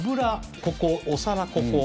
ここお皿ここ。